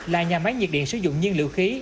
là nhà máy nhiệt điện sử dụng nhiên liệu khí